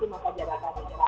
dilemas penduduki maka jarak